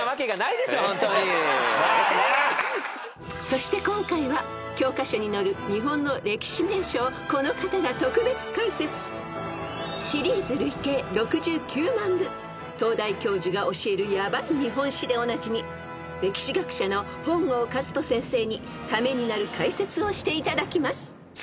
［そして今回は教科書に載る日本の歴史名所をこの方が特別解説］［シリーズ累計６９万部『東大教授がおしえるやばい日本史』でおなじみ歴史学者の本郷和人先生にためになる解説をしていただきます］